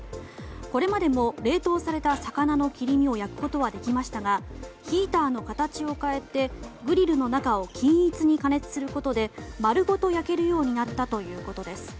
これまでも、冷凍された魚の切り身を焼くことはできましたがヒーターの形を変えてグリルの中を均一に加熱することで丸ごと焼けるようになったということです。